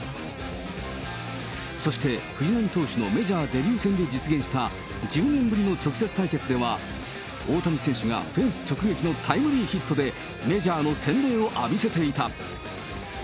そして藤浪投手のメジャーデビュー戦で実現した、１０年ぶりの直接対決では、大谷選手がフェンス直撃のタイムリーヒットで、メジャーの洗礼を浴びせていた。